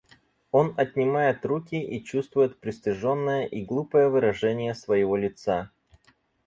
Он отнимает руки и чувствует пристыженное и глупое выражение своего лица.